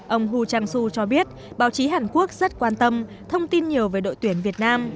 ông hu trang su cho biết báo chí hàn quốc rất quan tâm thông tin nhiều về đội tuyển việt nam